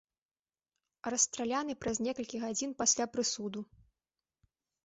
Расстраляны праз некалькі гадзін пасля прысуду.